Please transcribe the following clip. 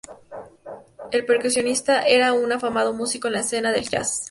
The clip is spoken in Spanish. El percusionista era un afamado músico en la escena del jazz.